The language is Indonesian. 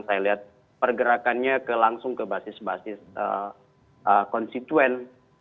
saya lihat pergerakannya langsung ke basis basis konstituen